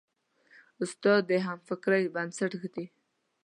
استاد د همفکرۍ بنسټ ږدي.